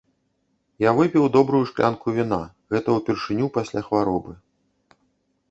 Я выпіў добрую шклянку віна, гэта ўпершыню пасля хваробы.